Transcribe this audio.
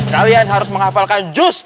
kalian harus menghafalkan jus tiga puluh